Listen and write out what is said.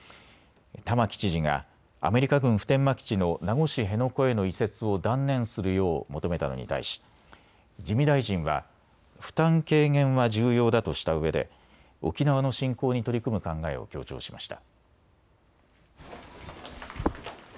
玉城知事がアメリカ軍普天間基地の名護市辺野古への移設を断念するよう求めたのに対し自見大臣は負担軽減は重要だとしたうえで沖縄の振興に取り組む考えを強調しました。